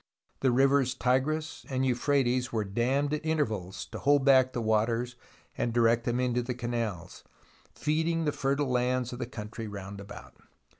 The rivers Tigris and Euphrates were dammed at intervals, to hold back the waters and direct them into the canals, feeding the fertile lands of the country round about.